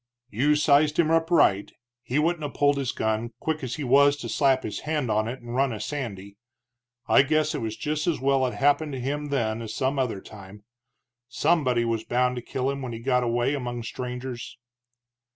"You sized him up right. He wouldn't 'a' pulled his gun, quick as he was to slap his hand on it and run a sandy. I guess it was just as well it happened to him then as some other time. Somebody was bound to kill him when he got away among strangers."